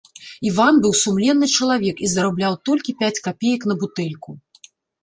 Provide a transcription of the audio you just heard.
Іван быў сумленны чалавек і зарабляў толькі пяць капеек на бутэльку.